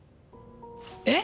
えっ！？